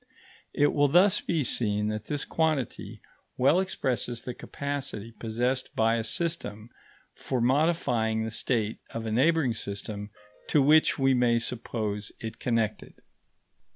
It will thus be seen that this quantity well expresses the capacity possessed by a system for modifying the state of a neighbouring system to which we may suppose it connected.